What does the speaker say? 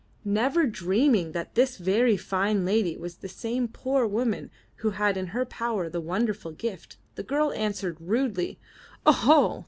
Never dreaming that this very fine lady was the same poor woman who had in her power the wonderful gift, the girl answered rudely: *'0ho!